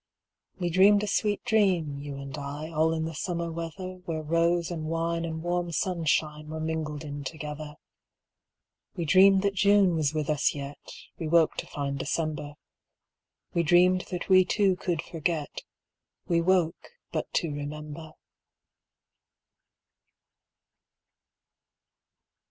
We dreamed a sweet dream, you and I, All in the summer weather, Where rose and wine and warm sunshine Were mingled in together. We dreamed that June was with us yet, We woke to find December. We dreamed that we two could forget, We woke but to remember.